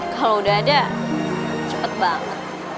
kalau udah ada cepet banget